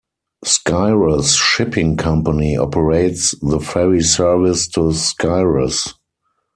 Skyros Shipping Company operates the ferry service to Skyros.